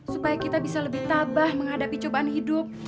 supaya kita bisa lebih tabah menghadapi cobaan hidup